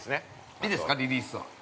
◆いいですか、リリースは。